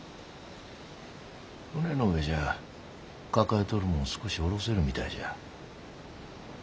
船の上じゃ抱えとるもんを少し下ろせるみたいじゃ。